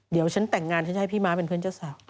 เดี๋ยวฉันแต่งงานฉันจะให้พี่ม้าเป็นเพื่อนเจ้าสาว